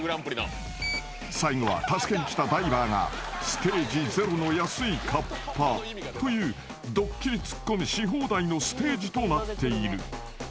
［最後は助けに来たダイバーがステージゼロの安いカッパというドッキリツッコミし放題のステージとなっている］